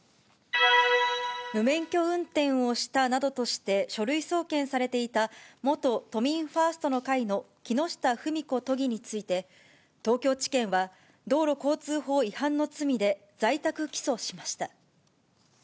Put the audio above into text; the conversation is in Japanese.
無免許運転をしたなどとして書類送検されていた、元都民ファーストの会の木下富美子都議について、東京地検は、道路交通法違反の罪で在宅起訴しました。